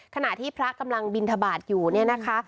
ขณะที่พระกำลังบินทบาทอยู่เนี่ยนะคะ